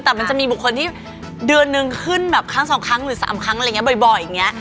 แต่มันจะมีบุคคลที่เดือนนึงขึ้นแบบครั้งสองครั้งหรือ๓ครั้งอะไรอย่างนี้บ่อยอย่างนี้